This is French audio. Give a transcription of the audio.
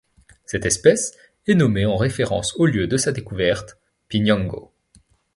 Cette espèce est nommée en référence au lieu de sa découverte, Piñango.